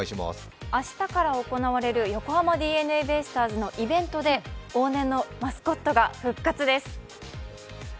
明日から行われる横浜ＤｅＮＡベイスターズのイベントで往年のマスコットが復活です。